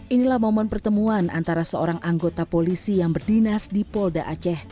inilah momen pertemuan antara seorang anggota polisi yang berdinas di polda aceh